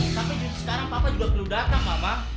tapi sekarang papa juga perlu datang mama